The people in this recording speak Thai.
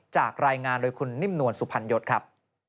จากรายงานโดยคุณนิ่มนวลสุพรรณยศครับ